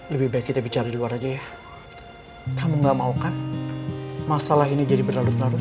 lebih baik kita bicara di luar aja ya kamu gak mau kan masalah ini jadi berlarut larut